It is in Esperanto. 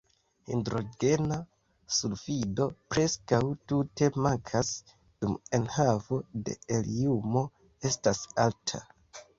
Hidrogena sulfido preskaŭ tute mankas, dum enhavo de heliumo estas alta.